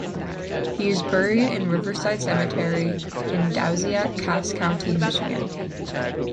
He is buried in Riverside Cemetery in Dowagiac, Cass County, Michigan.